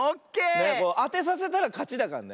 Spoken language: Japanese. あてさせたらかちだからね。